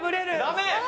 ダメ？